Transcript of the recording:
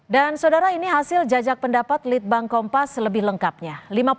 dan saudara ini hasil jejak pendapat litbang kompas lebih lengkapnya